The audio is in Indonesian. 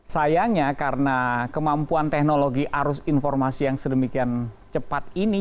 sayangnya karena kemampuan teknologi arus informasi yang sedemikian cepat ini